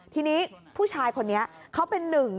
ทีนี้ผู้ชายคนนี้เขาเป็นหนึ่ง